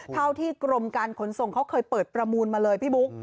เท่าที่กรมการขนส่งเขาเคยเปิดประมูลมาเลยพี่บุ๊ค